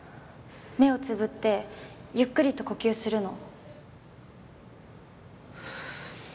目をつぶってゆっくりと呼吸するの。